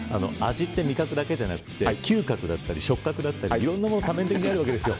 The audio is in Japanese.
味って味覚だけじゃなくて嗅覚だったり触覚だったりいろんなものが多面的にあるわけですよ。